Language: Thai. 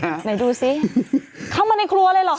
ไหนดูสิเข้ามาในครัวเลยเหรอ